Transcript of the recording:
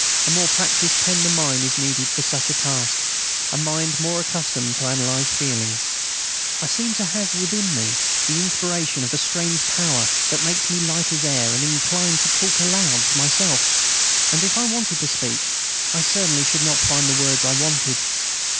A more practised pen than mine is needed for such a task, a mind more accustomed to analyse feelings. I seem to have within me the inspiration of a strange power that makes me light as air, and inclined to talk aloud to myself. And if I wanted to speak I certainly should not find the words I wanted.